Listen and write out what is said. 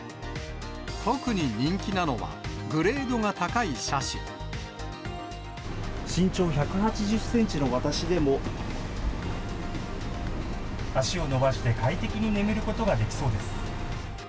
特に人気なのは、グレードが身長１８０センチの私でも、足を伸ばして快適に眠ることができそうです。